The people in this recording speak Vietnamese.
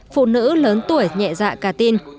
phụ nữ lớn tuổi nhẹ dạ cà tin